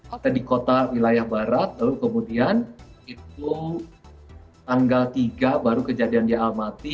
atau di kota wilayah barat lalu kemudian itu tanggal tiga baru kejadian dia amati